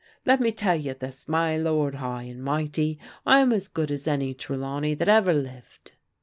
Let me tell you this, ny lord high and mighty, I'm as good as any Trelawnex hat ever lived."